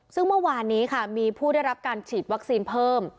ซึ่งเมื่อวานนี้ค่ะมีผู้ได้รับการฉีดวัคซีนเพิ่ม